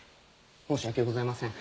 申し訳ございません。